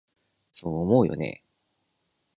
そう思うよね？